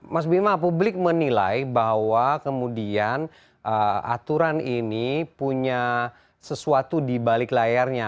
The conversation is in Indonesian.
mas bima publik menilai bahwa kemudian aturan ini punya sesuatu di balik layarnya